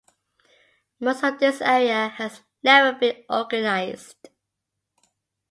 Most of this area has never been organized.